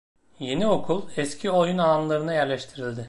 Yeni okul eski oyun alanlarına yerleştirildi.